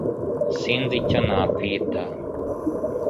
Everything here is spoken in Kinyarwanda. Sinzi icyo nakwita